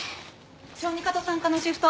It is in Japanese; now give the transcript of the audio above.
小児科と産科のシフト